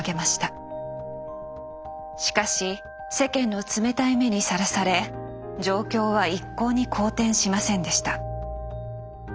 しかし世間の冷たい目にさらされ状況は一向に好転しませんでした。